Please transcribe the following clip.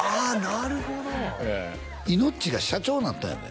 なるほどイノッチが社長になったんやで？